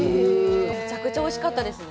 むちゃくちゃおいしかったです。